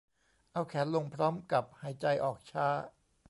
เอาแขนลงพร้อมกับหายใจออกช้า